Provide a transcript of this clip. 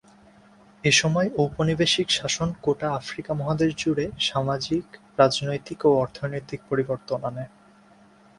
এসময় ঔপনিবেশিক শাসন গোটা আফ্রিকা মহাদেশ জুড়ে সামাজিক, রাজনৈতিক ও অর্থনৈতিক পরিবর্তন আনে।